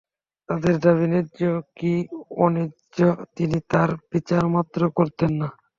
তাঁদের দাবি ন্যায্য কি অন্যায্য তিনি তার বিচারমাত্র করতেন না।